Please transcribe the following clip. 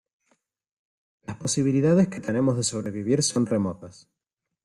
las posibilidades que tenemos de sobrevivir son remotas